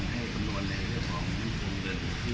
เพราะว่าในเมื่อไหร่มันจะมีเรื่องต่อเบียน